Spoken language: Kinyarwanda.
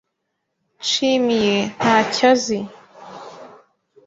Nshimiye ntacyo azi.